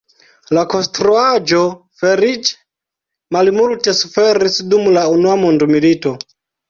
La konstruaĵo feliĉe malmulte suferis dum la Unua Mondmilito.